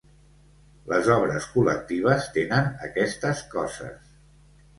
Les obres col·lectives tenen aquestes coses.